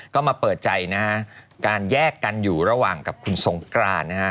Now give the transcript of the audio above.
ก็มาเปิดใจนะฮะการแยกกันอยู่ระหว่างกับคุณสงกรานนะฮะ